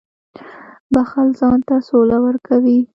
• بښل ځان ته سوله ورکوي.